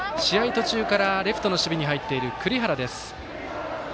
途中からレフトの守備に入っている栗原です。